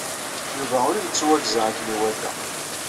Yuba ur yettwagza akken iwata.